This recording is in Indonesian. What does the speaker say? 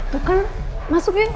tuh kan masuk yuk